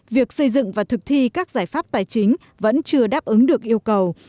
việc xây dựng và thực thi các giải pháp tài chính vẫn chưa đáp ứng được yêu cầu